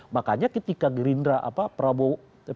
makanya ketika gerindra apa prabowo pak sby atau demokrasi